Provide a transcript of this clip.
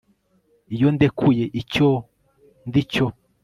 iyo ndekuye icyo ndi cyo